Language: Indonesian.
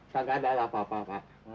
tidak ada apa apa pak